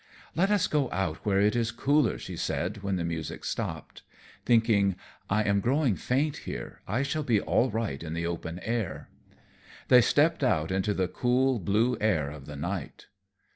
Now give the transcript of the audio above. "Let us go out where it is cooler," she said when the music stopped; thinking, "I am growing faint here, I shall be all right in the open air." They stepped out into the cool, blue air of the night.